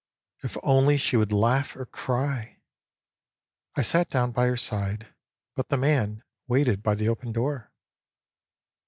If only she would laugh or cry ! I sat down by her side, but the man waited Jby the open door.